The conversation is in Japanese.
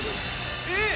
えっ？